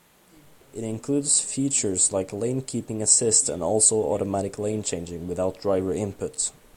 It includes features like lane-keeping assist and also automatic lane changing without driver input.